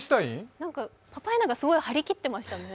パパエナガ、すごい張り切ってましたね。